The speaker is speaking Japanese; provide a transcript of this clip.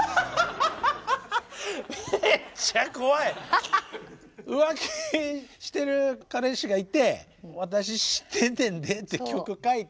ハッハハハハハめっちゃ怖い！浮気してる彼氏がいて「私知ってんねんで」って曲書いて。